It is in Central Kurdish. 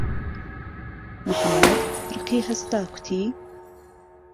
محەممەد رقی هەستاکوتی